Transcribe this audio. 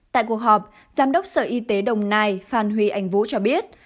tại cuộc họp giám đốc sở y tế đồng nai phan huy anh vũ cho biết